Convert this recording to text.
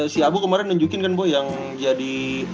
si abu kemarin nunjukin kan bu yang jadi